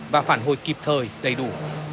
và phản hồi kịp thời đầy đủ